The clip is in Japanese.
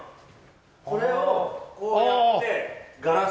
これをこうやってガラス越しに。